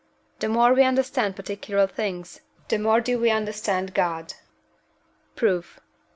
The more we understand particular things, the more do we understand God. Proof.